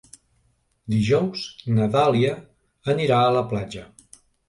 Dijous na Dàlia anirà a la platja.